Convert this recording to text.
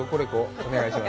お願いします。